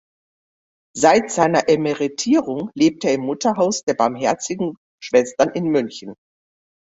Seit seiner Emeritierung lebt er im Mutterhaus der Barmherzigen Schwestern in München.